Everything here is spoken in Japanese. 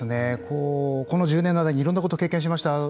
この１０年の間にいろんなことを経験しました。